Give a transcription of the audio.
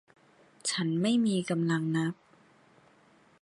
ฉันไม่มีกำลังนับ